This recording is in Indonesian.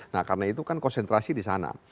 nah karena itu kan konsentrasi di sana